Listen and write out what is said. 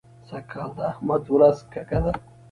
سږ کال د احمد ورځ کږه ده.